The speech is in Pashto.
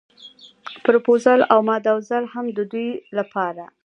پروپوزل او ماداوزل هم د دوی لپاره.